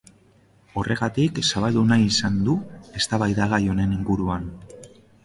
Horregatik zabaldu nahi izan du eztabaida gai honen inguruan.